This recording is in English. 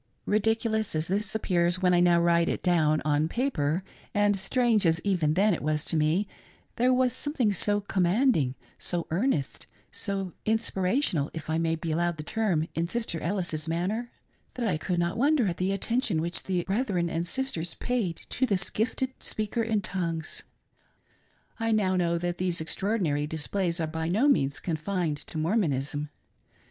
68 THE INTERPRETATION OF TONGUES. Ridiculous as this appears when I now write it down on paper, and strange as even then it was to me, there was some thing so commanding, so earnest, so " inspirational," if I may be allowed the term, in Sister Ellis's manner, that I could not wonder at the attention which the brethren and sisters paid to this gifted speaker in tongues. I now know that, these extraordinary displays are by no means confined to Mormonism.